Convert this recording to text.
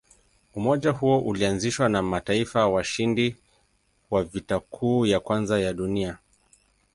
Umoja huo ulianzishwa na mataifa washindi wa Vita Kuu ya Kwanza ya Dunia.